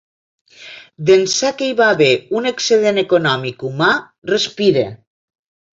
D'ençà que hi va haver un excedent econòmic humà, respire.